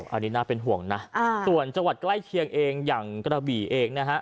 อันนี้น่าเป็นห่วงนะส่วนจังหวัดใกล้เคียงเองอย่างกระบี่เองนะฮะ